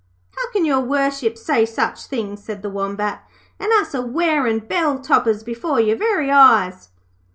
'How can Your Worship say such things,' said the Wombat, 'and us a wearin' bell toppers before your very eyes.'